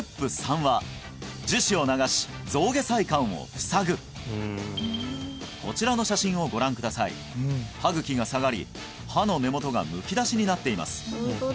そして最後のこちらの写真をご覧ください歯茎が下がり歯の根元がむき出しになっています